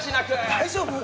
大丈夫？